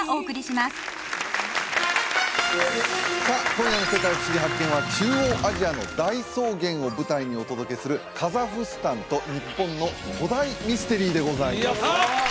今夜の「世界ふしぎ発見！」は中央アジアの大草原を舞台にお届けするカザフスタンと日本の古代ミステリーでございますやった！